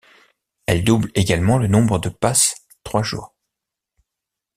Elle double également le nombre de pass trois jours.